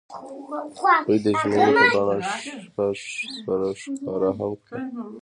هغوی د ژمنې په بڼه شپه سره ښکاره هم کړه.